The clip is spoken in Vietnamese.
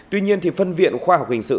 tuy nhiên thì phân viện khoa học hình sự